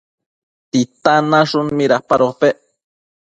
¿Titan nashun midapadopec?